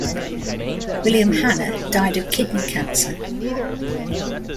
William Hannah died of kidney cancer.